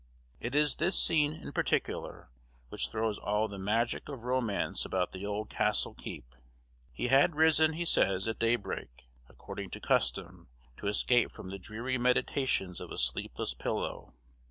It is this scene, in particular, which throws all the magic of romance about the old castle keep. He had risen, he says, at daybreak, according to custom, to escape from the dreary meditations of a sleepless pillow.